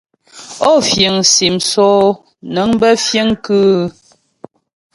Ó fìŋ sim sóó nəŋ bə fìŋ kʉ́ʉ ?